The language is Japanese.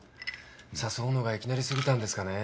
誘うのがいきなり過ぎたんですかね。